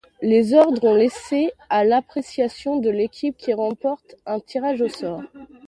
Leur ordre est laissé à l'appréciation de l'équipe qui remporte un tirage au sort.